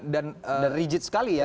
dan rigid sekali ya